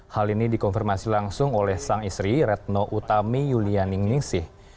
hal ini dikonfirmasi langsung oleh sang istri retno utami yulianing ningsih